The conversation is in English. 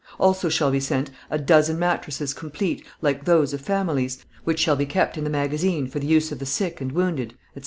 "Also shall be sent, a dozen mattresses complete, like those of families, which shall be kept in the magazine for the use of the sick and wounded, etc.